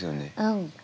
うん。